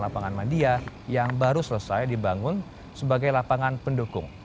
lepas itu penonton dan penonton yang baru selesai dibangun sebagai lapangan pendukung